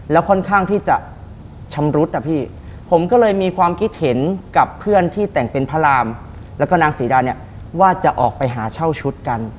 แล้วค่อนข้างที่จะชำรุดอ่ะพี่ผมก็เลยมีความคิดเห็นกับเพื่อนที่แต่งเป็นพระรามแล้วก็นางศรีดาเนี่ยว่าจะออกไปหาเช่าชุดกัน